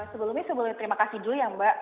sebelumnya terima kasih dulu ya mbak